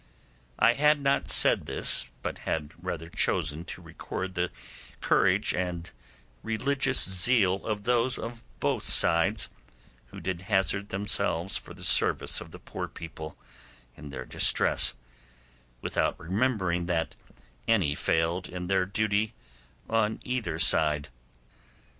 I had not said this, but had rather chosen to record the courage and religious zeal of those of both sides, who did hazard themselves for the service of the poor people in their distress, without remembering that any failed in their duty on either side.